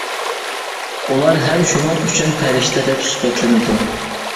ئۇلار ھەم شۇنىڭ ئۈچۈن پەرىشتە دەپ سۈپەتلىنىدۇ.